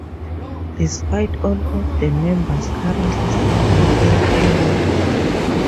Despite all of the members currently still being in Hello!